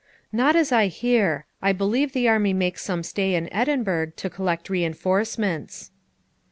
'Not as I hear; I believe the army makes some stay in Edinburgh to collect reinforcements.'